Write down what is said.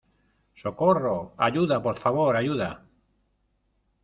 ¡ socorro! ¡ ayuda, por favor , ayuda !